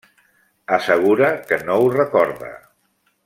Assegura que no ho recorda.